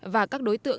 và các đối tượng